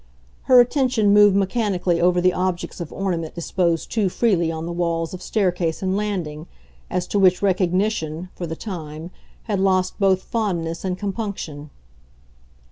Her attention moved mechanically over the objects of ornament disposed too freely on the walls of staircase and landing, as to which recognition, for the time, had lost both fondness and compunction.